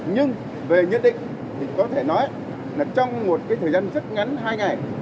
nhưng về nhất định có thể nói trong một thời gian rất ngắn hai ngày